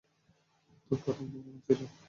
তোর প্রথম দিন কেমন ছিল?